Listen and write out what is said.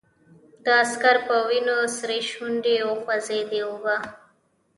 د عسکر په وينو سرې شونډې وخوځېدې: اوبه!